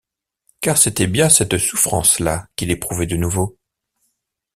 Car c’était bien cette souffrance-là qu’il éprouvait de nouveau.